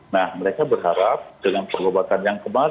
nah mereka berharap dengan pengobatan yang kemarin